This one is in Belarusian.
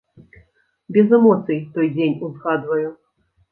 Без эмоцый той дзень узгадваю.